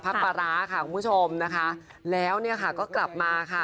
ปลาร้าค่ะคุณผู้ชมนะคะแล้วเนี่ยค่ะก็กลับมาค่ะ